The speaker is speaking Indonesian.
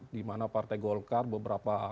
dimana partai golkar beberapa tahun terakhir